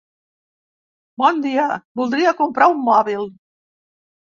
Bon dia, voldria comprar un mòbil.